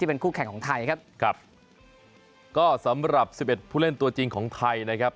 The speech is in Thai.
เป็นคู่แข่งของไทยครับครับก็สำหรับสิบเอ็ดผู้เล่นตัวจริงของไทยนะครับ